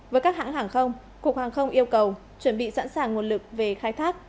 với các hãng hàng không cục hàng không yêu cầu chuẩn bị sẵn sàng nguồn lực về khai thác